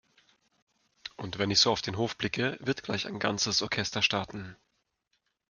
Und wenn ich so auf den Hof blicke, wird gleich ein ganzes Orchester starten.